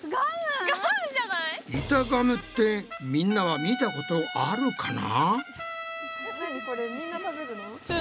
板ガムってみんなは見たことあるかな？